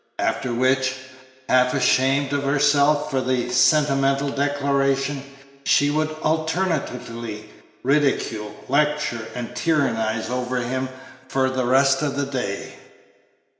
After which, half ashamed of herself for the sentimental declaration, she would alternately ridicule, lecture, and tyrannize over him for the rest of the day.